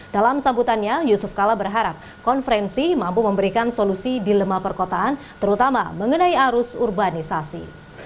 dalam sambutannya yusuf kala berharap konferensi mampu memberikan solusi dilema perkotaan terutama mengenai arus urbanisasi